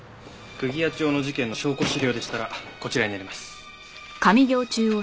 釘屋町の事件の証拠資料でしたらこちらになります。